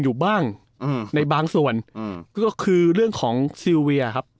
อยู่บ้างอืมในบางส่วนอืมก็คือเรื่องของซีลเวียครับ